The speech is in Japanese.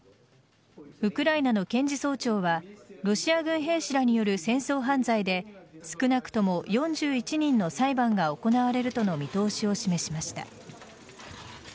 ウクライナの検事総長はロシア軍兵士らによる戦争犯罪で少なくとも４１人の裁判が行われるとの見通しを示しました。